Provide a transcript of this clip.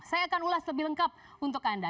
saya akan ulas lebih lengkap untuk anda